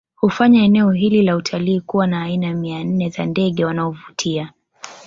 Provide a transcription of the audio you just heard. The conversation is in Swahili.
Hufanya eneo hili la utalii kuwa na aina mia nne za ndege wanaovutia